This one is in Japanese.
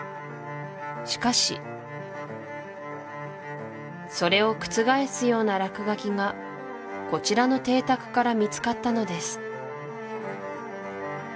しかしそれを覆すような落書きがこちらの邸宅から見つかったのです